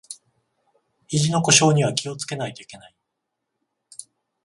ひじの故障には気をつけないといけない